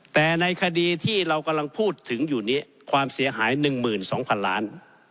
แต่ในคดีที่เรากำลังพูดถึงอยู่นี้ความเสียหาย๑๒๐๐๐ล้าน